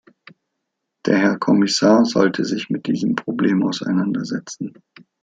Der Herr Kommissar sollte sich mit diesem Problem auseinandersetzen.